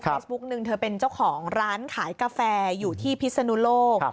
หนึ่งเธอเป็นเจ้าของร้านขายกาแฟอยู่ที่พิศนุโลก